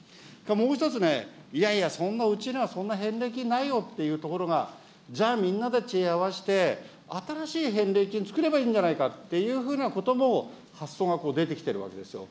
もう１つね、いやいや、そんな、うちにはそんな返戻金ないよというところがじゃあ、みんなで知恵合わせて、新しい返礼品つくればいいんじゃないかというふうなことも、発想が出てきてるわけですよ。